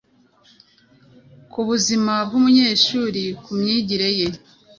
ku buzima bw’umunyeshuri, ku myigire ye